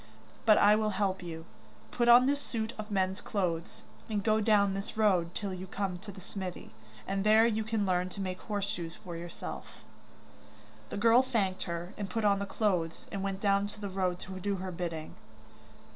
But I will help you. Put on this suit of men's clothes, and go down this road till you come to the smithy, and there you can learn to make horse shoes for yourself.' The girl thanked her, and put on the cloths and went down the road to do her bidding.